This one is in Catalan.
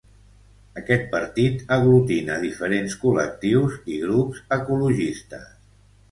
Aquest partit aglutina diferents col·lectius i grups ecologistes.